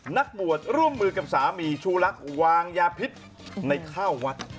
นักบวชร่วมมือกับสามีชูลักษณ์วางยาพิษในข้าววัด